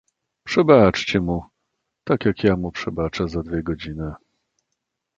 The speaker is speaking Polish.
"Przebaczcie mu, tak jak ja mu przebaczę za dwie godziny."